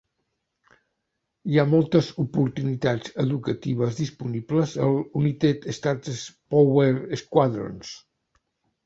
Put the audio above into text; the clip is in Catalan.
Hi ha moltes oportunitats educatives disponibles als United States Power Squadrons.